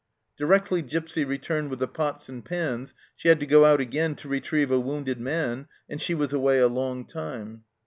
Directly Gipsy re turned with the pots and pans she had to go out again to retrieve a wounded man, and she was away a long time.